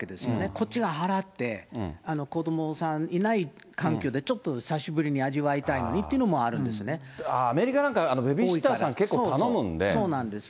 こっちが払って、子どもさんいない環境でちょっと久しぶりに味わいたいのにっていアメリカなんか、ベビーシッターさん、結構、頼むんで。